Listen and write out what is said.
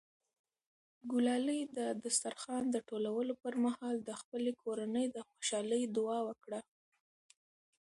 ګلالۍ د دسترخوان د ټولولو پر مهال د خپلې کورنۍ د خوشحالۍ دعا وکړه.